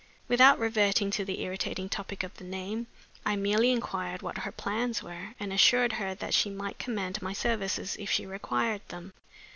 Without reverting to the irritating topic of the name, I merely inquired what her plans were, and assured her that she might command my services if she required them.